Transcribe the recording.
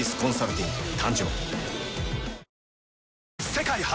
世界初！